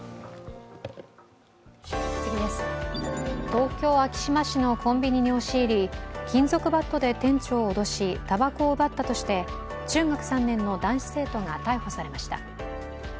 東京・昭島市のコンビニに押し入り、金属バットで店長を脅したばこを奪ったとして、中学３年の男子生徒が逮捕されました。